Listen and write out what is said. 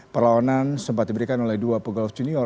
perlawanan sempat diberikan oleh dua pegawai junior